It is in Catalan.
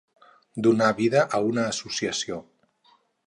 donar vida a una associació